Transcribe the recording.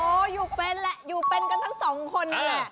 โอ้โหอยู่เป็นแหละอยู่เป็นกันทั้งสองคนนั่นแหละ